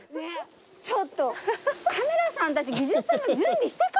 ちょっとカメラさんたち技術さんが準備してからさ行ってよ。